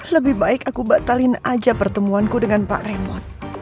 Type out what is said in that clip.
lebih baik aku batalin aja pertemuanku dengan pak remo